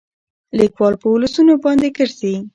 ليکوال په ولسونو باندې ګرځي